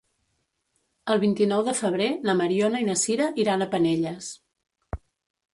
El vint-i-nou de febrer na Mariona i na Sira iran a Penelles.